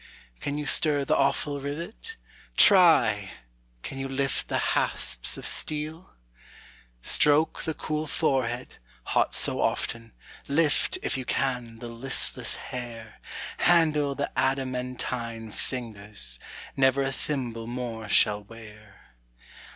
can you stir the awful rivet? Try! can you lift the hasps of steel? Stroke the cool forehead, hot so often, Lift, if you can, the listless hair; Handle the adamantine fingers Never a thimble more shall wear.